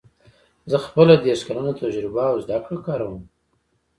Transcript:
زه خپله دېرش کلنه تجربه او زده کړه کاروم